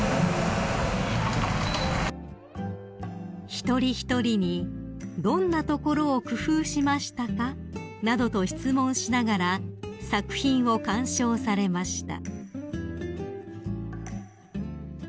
［一人一人に「どんなところを工夫しましたか？」などと質問しながら作品を鑑賞されました］